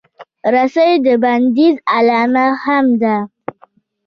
رسۍ د بندیز علامه هم ده.